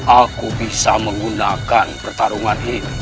aku bisa menggunakan pertarungan ini